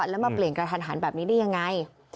แล้วมาเปลี่ยนกระทันหันแบบนี้ได้ยังไง